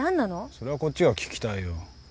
それはこっちが聞きたいよ。